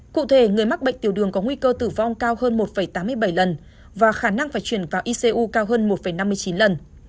cụ thể người mắc bệnh tiểu đường có nguy cơ tử vong cao hơn một tám mươi bảy lần và khả năng phải chuyển vào icu cao hơn một năm mươi chín lần